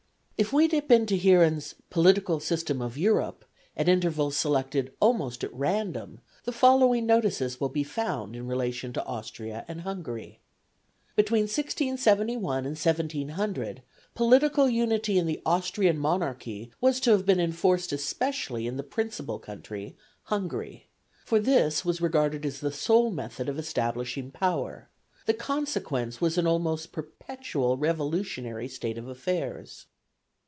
If we dip into Heeren's Political System of Europe at intervals selected almost at random, the following notices will be found in relation to Austria and Hungary: Between 1671 and 1700 "political unity in the Austrian monarchy was to have been enforced especially in the principal country (Hungary), for this was regarded as the sole method of establishing power; the consequence was an almost perpetual revolutionary state of affairs."